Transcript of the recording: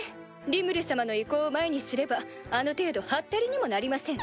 リムル様の威光を前にすればあの程度ハッタリにもなりません。